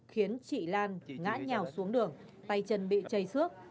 khiến chị lan ngã nhào xuống đường tay chân bị chảy xước